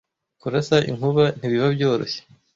kurasa inkuba ntibiba byoroshye